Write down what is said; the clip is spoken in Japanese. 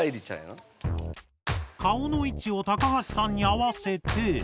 顔の位置を高橋さんに合わせて。